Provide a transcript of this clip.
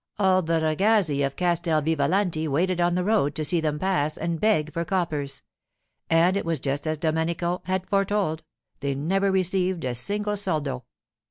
All the ragazzi of Castel Vivalanti waited on the road to see them pass and beg for coppers; and it was just as Domenico had foretold: they never received a single soldo.